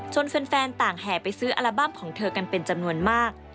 แฟนต่างแห่ไปซื้ออัลบั้มของเธอกันเป็นจำนวนมาก